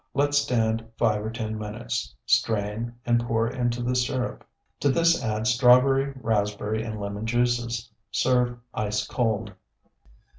Let stand five or ten minutes, strain, and pour into the syrup. To this add strawberry, raspberry, and lemon juices. Serve ice cold.